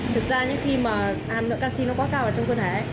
thực ra những khi mà hàm lượng canxi nó bóp cao vào trong cơ thể